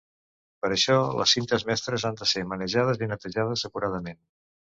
Per a això, les cintes mestres han de ser manejades i netejades acuradament.